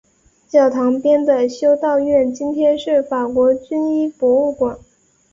教堂边的修道院今天是法国军医博物馆。